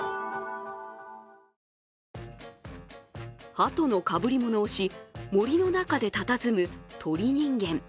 はとのかぶり物をし森の中でたたずむ、鳥人間。